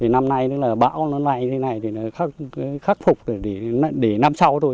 năm nay bão nó này như thế này thì nó khắc phục để năm sau thôi